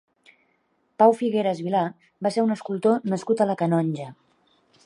Pau Figueras Vilà va ser un escultor nascut a la Canonja.